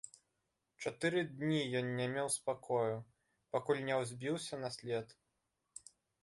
Чатыры дні ён не меў спакою, пакуль не ўзбіўся на след.